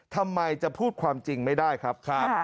ทำไมจะพูดความจริงไม่ได้ครับ